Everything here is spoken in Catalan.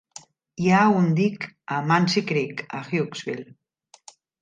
Hi ha un dic a Muncy Creek, a Hughesville.